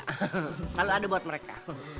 selalu ada buat mereka